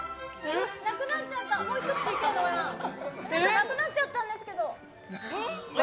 なくなっちゃったんですけど。